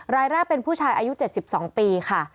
รายแรกเป็นผู้ชายอายุ๗๒ปีค่ะ